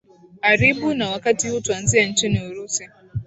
aribu na wakati huu tuanzie nchini urusi